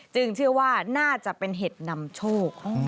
เชื่อว่าน่าจะเป็นเห็ดนำโชค